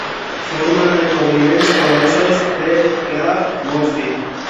Forma recobriments polsosos de gra molt fi.